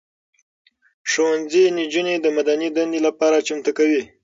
ښوونځي نجونې د مدني دندې لپاره چمتو کوي.